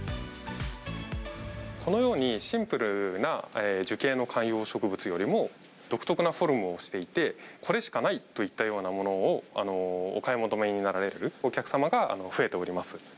このように、シンプルな樹形の観葉植物よりも、独特なフォルムをしていて、これしかないといったようなものを、お買い求めになられるお客様が増えております。